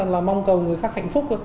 là mong cầu người khác hạnh phúc